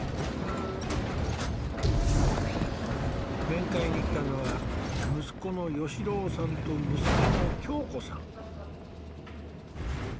面会に来たのは息子の芳郎さんと娘の恭子さん。